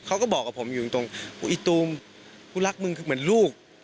เขาก็บอกกับผมอย่างตรงอุ๊ยตูมปูลั๊ดมึงคือเหมือนลูก